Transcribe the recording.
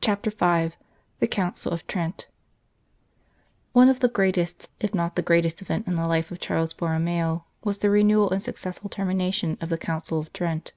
25 CHAPTER V THE COUNCIL OF TRENT ONE of the greatest, if not the greatest event in the life of Charles Borromeo was the renewal and successful termination of the Council of Trent.